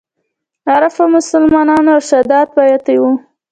عارفو مسلمانانو ارشادات پاتې وو.